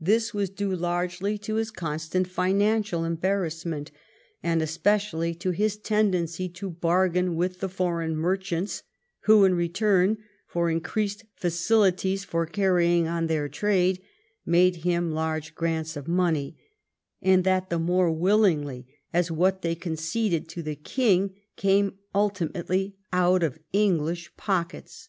This was due largely to his constant financial embarrassment, and especially to his tendency to bargain with the foreign merchants, who, in return for increased facilities for carrying on their trade, made him large grants of money, and that the more willingly as what they conceded to the king came ultimately out of English pockets.